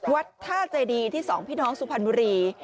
วัดท่าใจดีที่๒พี่น้องซุภัณฑ์มุรี